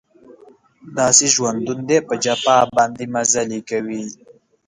داسې ژوندون دی په جفا باندې مزلې کوي